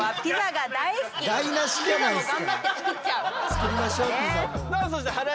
作りましょうピザも。